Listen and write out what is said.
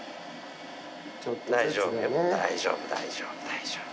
大丈夫よ大丈夫大丈夫。